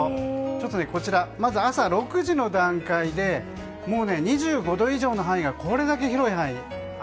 ちょっとこちらまず朝６時の段階でもう２５度以上の範囲がこれだけ広い範囲。